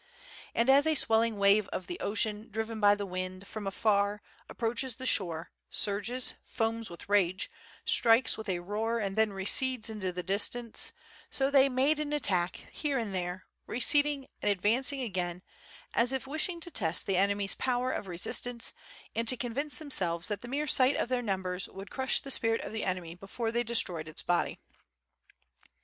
And as a swell ing wave of the ocean driven by the wind from afar ap proaches the shore, surges, foams with rage, strikes with a roar and then recedes into the distance, so they made an attack, here and there, receding and advancing again as if y02 WITH FIRE AND SWORD. wishing to test the enemy's power of resistance and to con vince themselves that the mere sight of their numbers would crush the spirit of the enemy before they destroyed its body.